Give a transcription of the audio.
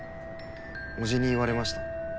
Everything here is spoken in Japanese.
叔父に言われました。